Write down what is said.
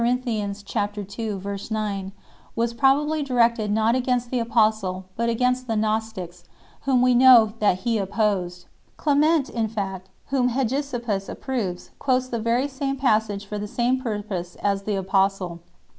ii. 9) was probably directed not against the apostle but against the Gnostics, whom we know that he opposed 3 . Clement, in fact, whom Hegesippus approves, quotes the very same passage for the same purpose as the apostle.